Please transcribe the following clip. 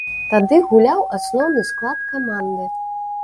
Тады гуляў асноўны склад каманды.